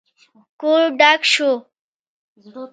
کور ډک شو.